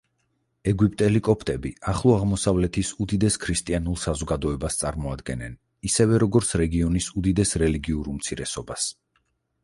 ეგვიპტელი კოპტები ახლო აღმოსავლეთის უდიდეს ქრისტიანულ საზოგადოებას წარმოადგენენ, ისევე როგორც რეგიონის უდიდეს რელიგიურ უმცირესობას.